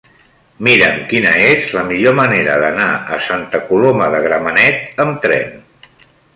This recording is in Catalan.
Mira'm quina és la millor manera d'anar a Santa Coloma de Gramenet amb tren.